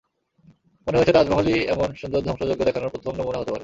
মনে হয়েছে তাজমহলই এমন সুন্দর ধ্বংসযজ্ঞ দেখানোর প্রথম নমুনা হতে পারে।